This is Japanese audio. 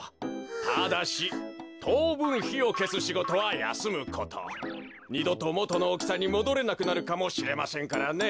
ただしとうぶんひをけすしごとはやすむこと。にどともとのおおきさにもどれなくなるかもしれませんからね。